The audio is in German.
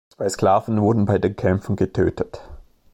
Zwei Sklaven wurden bei den Kämpfen getötet.